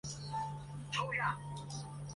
下重实的次男。